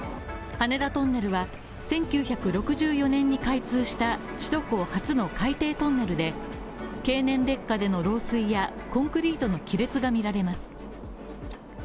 羽田トンネルは、１９６４年に開通した首都高初の海底トンネルで経年劣化での漏水やコンクリートの亀裂が見られます。